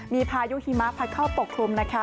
มีพายุหิมะพัดเข้าปกคลุมนะคะ